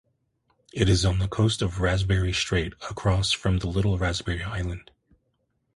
It is on the coast of Raspberry Strait, across from Little Raspberry Island.